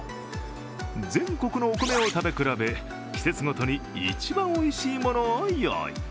全国のお米を食べ比べ、季節ごとに一番おいしいものを用意。